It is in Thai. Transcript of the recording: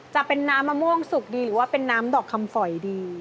จะเป็นน้ำมะม่วงสุกดีหรือว่าเป็นน้ำดอกคำฝอยดี